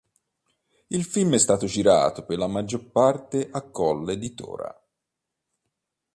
Il film è stato girato per la maggior parte a Colle di Tora.